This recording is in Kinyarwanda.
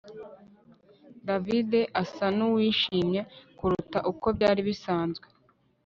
David asa nuwishimye kuruta uko byari bisanzwe